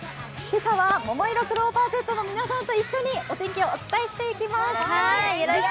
今朝はももいろクローバーＺの皆さんと一緒にお天気をお伝えしていきます。